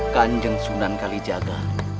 kanjeng sunan kali jaga